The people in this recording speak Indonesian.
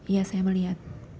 ya saya melihat